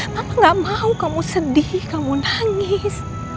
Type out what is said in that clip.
kamu gak mau kamu sedih kamu nangis